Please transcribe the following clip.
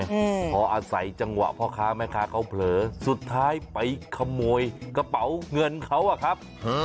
อืมพออาศัยจังหวะพ่อค้าแม่ค้าเขาเผลอสุดท้ายไปขโมยกระเป๋าเงินเขาอ่ะครับ